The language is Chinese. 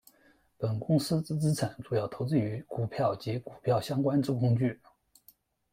本公司之资产主要投资于股票及与股票相关之工具。